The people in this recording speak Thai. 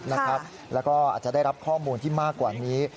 แล้วก็อาจจะได้รับข้อมูลที่มากกว่านี้